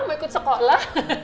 mau ikut sekolah